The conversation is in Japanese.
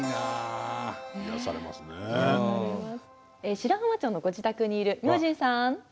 白浜町のご自宅にいる明神さん。